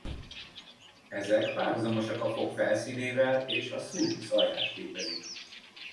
Ezek párhuzamosak a fog felszínével és a sulcus alját képezik.